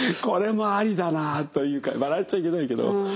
これもありだなというか笑っちゃいけないけど。